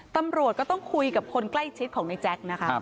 ตำรวจก็ต้องคุยกับคนใกล้ชิดของในแจ๊คนะคะ